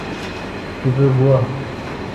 تیپہ گوا۔